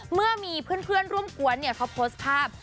เมื่อมีเพื่อนร่วมกวนเขาโพสต์ภาพ